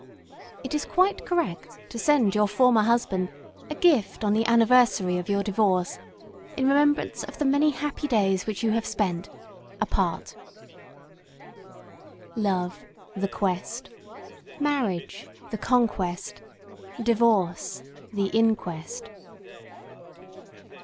IT IS QUITE CORRECT TO SEND YOUR FORMER HUSBAND A GIFT ON THE ANNIVERSARY OF YOUR DIVORCE, IN REMEMBRANCE OF "THE MANY HAPPY DAYS WHICH YOU HAVE SPENT APART" [Illustration: In remembrance.] DIVORCES LOVE, the quest; marriage, the conquest; divorce, the inquest.